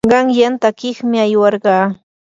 qanyan takiymi aywarqaa.